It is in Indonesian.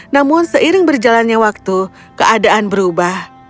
namun seiring berjalannya waktu keadaan berubah